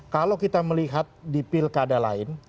kalau kita melihat di pilkada lain